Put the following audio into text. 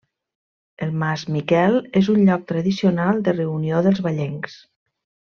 El mas Miquel és un lloc tradicional de reunió dels vallencs.